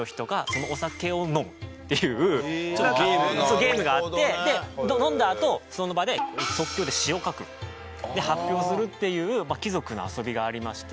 ゲームがあって飲んだあとその場で即興で詩を書く。で発表するっていう貴族の遊びがありまして。